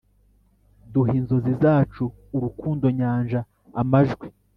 duhe inzozi zacu, urukundo-nyanja, amajwi